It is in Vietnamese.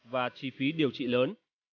và chi phí điều trị lớn